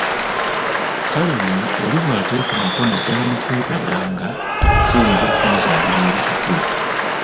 Kale nno oli bwateekomako naddala mu kwegadanga kiyinza okumuzaalira ebitukula.